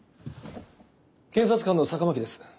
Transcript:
検察官の坂巻です。